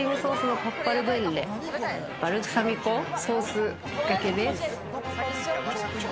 バルサミコソースがけです。